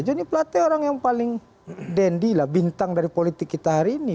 jonny platte orang yang paling dandy lah bintang dari politik kita hari ini